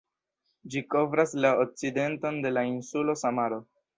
Ĝi kovras la okcidenton de la insulo Samaro.